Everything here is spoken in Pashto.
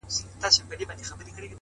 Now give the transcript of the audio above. • په سلگونو یې کورونه وه لوټلي,